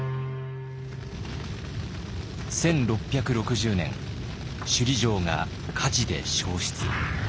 １６６０年首里城が火事で焼失。